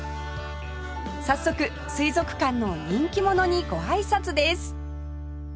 早速水族館の人気者にごあいさつです